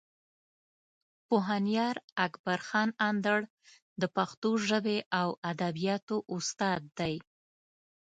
پوهنیار اکبر خان اندړ د پښتو ژبې او ادبیاتو استاد دی.